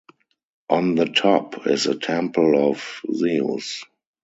On the top is a temple of Zeus.